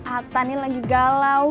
atta ini lagi galau